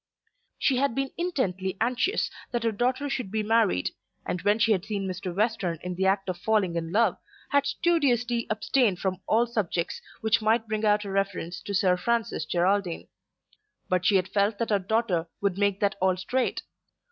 She had been intently anxious that her daughter should be married, and when she had seen Mr. Western in the act of falling in love, had studiously abstained from all subjects which might bring about a reference to Sir Francis Geraldine. But she had felt that her daughter would make that all straight.